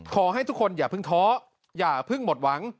ขอให้ทุกคนอย่าเพิ่งท้ออย่าเพิ่งหมดหวัง